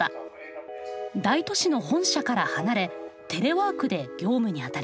大都市の本社から離れテレワークで業務に当たります。